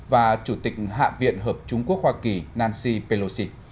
và chủ tịch hạ viện hợp trung quốc hoa kỳ nancy pelosi